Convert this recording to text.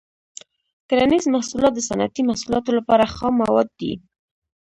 کرنیز محصولات د صنعتي محصولاتو لپاره خام مواد دي.